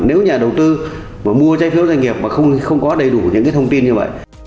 nếu nhà đầu tư mà mua trái phiếu doanh nghiệp mà không có đầy đủ những cái thông tin như vậy